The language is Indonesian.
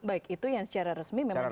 baik itu yang secara resmi menurut anda